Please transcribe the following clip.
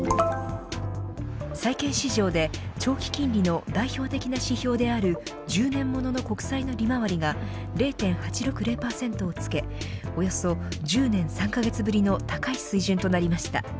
債券市場で長期金利の代表的な指標である１０年物の国債の利回りが０．８６０％をつけおよそ１０年３カ月ぶりの高い水準となりました。